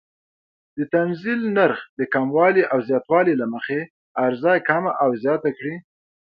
د تنزیل نرخ د کموالي او زیاتوالي له مخې عرضه کمه او زیاته کړي.